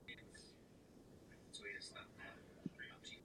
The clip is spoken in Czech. Právo na mobilitu a právo pobytu představují pilíře evropského občanství.